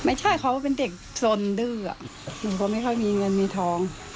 ไม่ใช่เขาเป็นเด็กสนดื้อหนูก็ไม่ค่อยมีเงินมีทอง